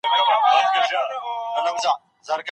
چا ته به ويل کېږي چي جوړ کړي شيان راژوندي کړي؟